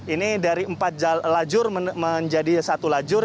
ini dari empat lajur menjadi satu lajur